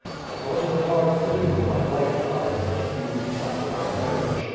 I thought it a hard thing when my wife died but a few weeks after our marriage.